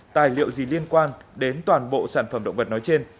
tài liệu gì liên quan đến toàn bộ sản phẩm động vật nói trên